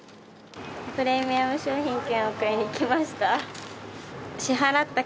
プレミアム商品券を買いに来ました。